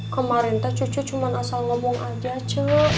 kemarin tuh cucu cuma asal ngomong aja ce